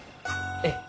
ええ。